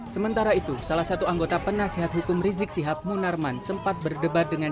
sementara itu salah satu anggota penasehat hukum rizik sihab munarman sempat berdebat dengan